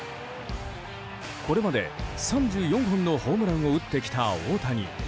これまで３４本のホームランを打ってきた大谷。